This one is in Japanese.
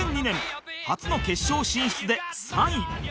２００２年初の決勝進出で３位